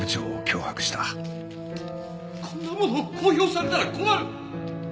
こんなもの公表されたら困る！